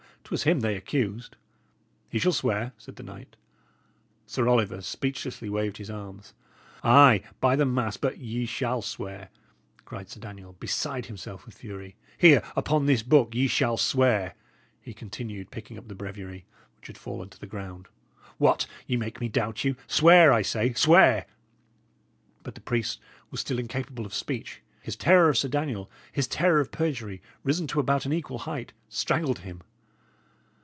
'Twas him they accused." "He shall swear," said the knight. Sir Oliver speechlessly waved his arms. "Ay, by the mass! but ye shall swear," cried Sir Daniel, beside himself with fury. "Here, upon this book, ye shall swear," he continued, picking up the breviary, which had fallen to the ground. "What! Ye make me doubt you! Swear, I say; swear!" But the priest was still incapable of speech. His terror of Sir Daniel, his terror of perjury, risen to about an equal height, strangled him.